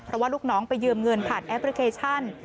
เพราะว่าลูกน้องไปยืมเงินผ่านแอปพลิเคชัน